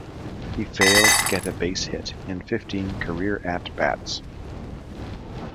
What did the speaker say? He failed to get a base hit in fifteen career at-bats.